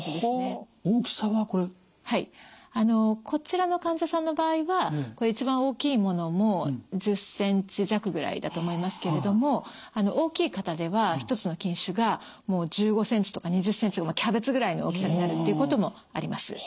こちらの患者さんの場合はこれ一番大きいものも１０センチ弱ぐらいだと思いますけれども大きい方では１つの筋腫がもう１５センチとか２０センチのキャベツぐらいの大きさになるっていうこともあります。